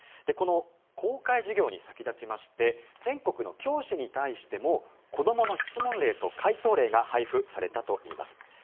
この公開授業に先立ちまして全国の教師に対しても子供の質問例と回答例が配布されたといいます。